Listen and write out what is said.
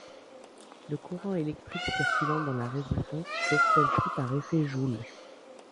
Le courant électrique circulant dans la résistance chauffe celle-ci par effet Joule.